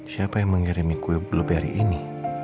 siapa yang mengirimi kue blueberry ini